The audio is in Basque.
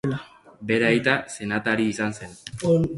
Bere aita senataria izan zen.